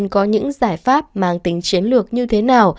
có những giải pháp mang tính chiến lược như thế nào